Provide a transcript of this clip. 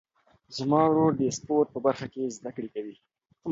زما ورور د سپورټ په برخه کې زده کړې کوي.